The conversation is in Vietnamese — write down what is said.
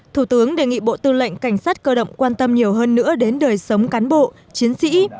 thủ tướng đề nghị bộ tư lệnh cảnh sát cơ động quan tâm nhiều hơn nữa đến đời sống cán bộ chiến sĩ